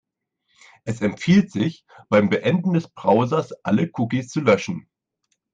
Es empfiehlt sich, beim Beenden des Browsers alle Cookies zu löschen.